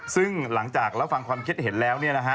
ซึ่งหลังจากรับฟังความคิดเห็นแล้วเนี่ยนะฮะ